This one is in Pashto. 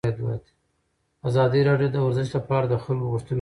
ازادي راډیو د ورزش لپاره د خلکو غوښتنې وړاندې کړي.